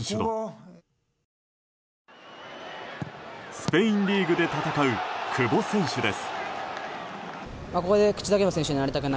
スペインリーグで戦う久保選手です。